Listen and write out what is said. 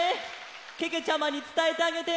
けけちゃまにつたえてあげて。